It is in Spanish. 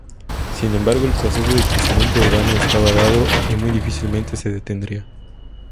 Sin embargo el proceso de crecimiento urbano, estaba dado y muy difícilmente se detendría.